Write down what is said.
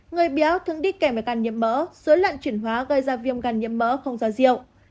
người béo thường đi kèm với gan nhiễm mỡ dối loạn chuyển hóa gây ra viêm gan nhiễm mỡ không ra rượu